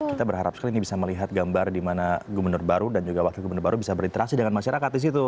kita berharap sekali ini bisa melihat gambar di mana gubernur baru dan juga wakil gubernur baru bisa berinteraksi dengan masyarakat di situ